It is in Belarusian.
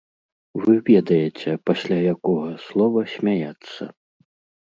Вы ведаеце, пасля якога слова смяяцца.